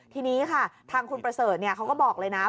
ทีนี้ค่ะทางคุณประเสริฐเขาก็บอกเลยนะ